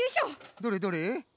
どれどれ？